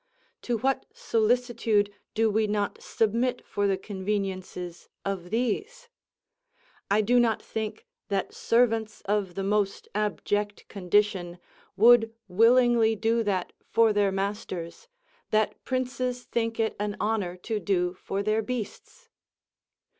To what solicitude do we not submit for the conveniences of these? I do not think that servants of the most abject condition would willingly do that for their masters that princes think it an honour to do for their beasts.